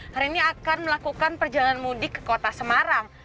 hari ini akan melakukan perjalanan mudik ke kota semarang